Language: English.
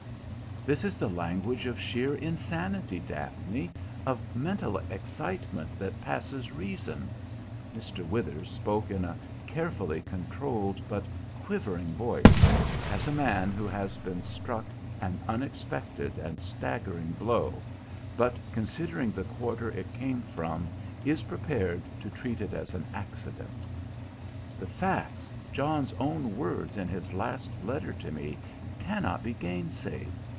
"This is the language of sheer insanity, Daphne, of mental excitement that passes reason." Mr. Withers spoke in a carefully controlled but quivering voice as a man who has been struck an unexpected and staggering blow, but considering the quarter it came from, is prepared to treat it as an accident. "The facts, John's own words in his last letter to me, cannot be gainsaid.